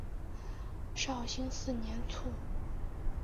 绍兴四年卒。